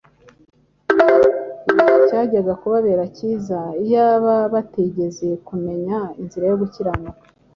Icyajyaga kubabera cyiza, iyaba batigeze kumenya inzira yo gukiranuka,